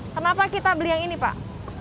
kenapa kita beli yang ini pak